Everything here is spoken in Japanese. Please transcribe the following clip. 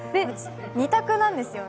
２択なんですよね。